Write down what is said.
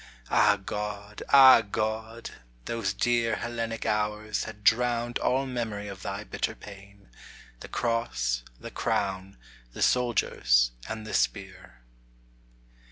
Ah, God ! Ah, God ! those dear Hellenic hours Had drowned all memory of thy bitter pain, The Cross, the Crown, the Soldiers, and the Spear.